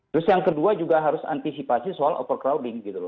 terus yang kedua juga harus antisipasi soal overcrowding gitu loh